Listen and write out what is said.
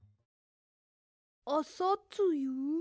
あさつゆ？